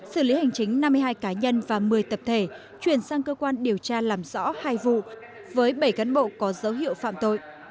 xử lý hành chính năm mươi hai cá nhân và một mươi tập thể chuyển sang cơ quan điều tra làm rõ hai vụ với bảy cán bộ có dấu hiệu phạm tội